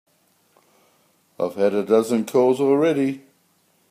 I've had a dozen calls already.